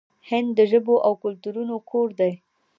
هند د ژبو او کلتورونو کور دی.